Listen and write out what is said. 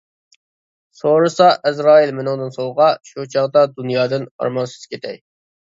سورىسا ئەزرائىل مېنىڭدىن سوۋغا، شۇ چاغدا دۇنيادىن ئارمانسىز كېتەي.